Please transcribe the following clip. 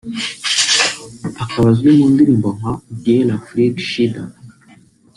akaba azwi mu ndirimbo nka ‘A Dieu l’Afrique Shida’